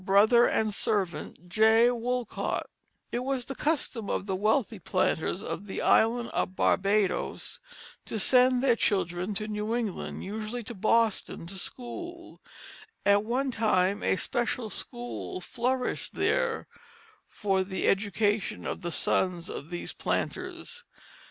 [Illustration: Old Brick Schoolhouse, Norwich, Connecticut] It was the custom of the wealthy planters of the island of Barbadoes to send their children to New England, usually to Boston, to school. At one time a special school flourished there for the education of the sons of these planters.